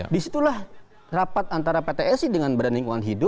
disitulah rapat antara pt si dengan bnh